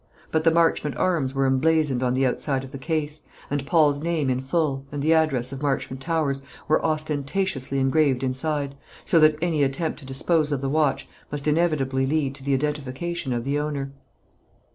But the Marchmont arms were emblazoned on the outside of the case; and Paul's name in full, and the address of Marchmont Towers, were ostentatiously engraved inside, so that any attempt to dispose of the watch must inevitably lead to the identification of the owner.